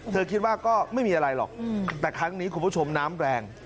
คิดว่าก็ไม่มีอะไรหรอกแต่ครั้งนี้คุณผู้ชมน้ำแรง